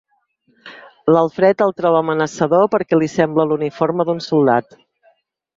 L'Alfred el troba amenaçador perquè li sembla l'uniforme d'un soldat.